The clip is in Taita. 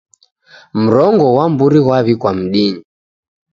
Mrongo ghwa mburi ghwaw'ikwa mdinyi